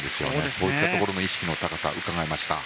こういったところの意識の高さがうかがえました。